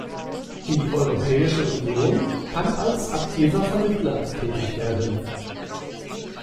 Die Europäische Union kann als aktiver Vermittler tätig werden.